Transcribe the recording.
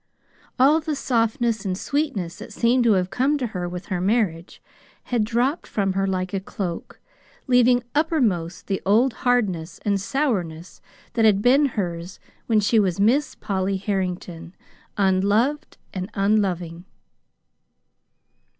All the softness and sweetness that seemed to have come to her with her marriage had dropped from her like a cloak, leaving uppermost the old hardness and sourness that had been hers when she was Miss Polly Harrington, unloved, and unloving.